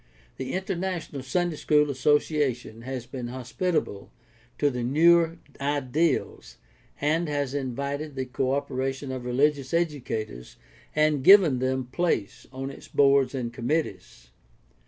The International Sunday School Association has been hospitable to the newer ideals and has invited the co operation of religious educators and given them place on its boards and committees.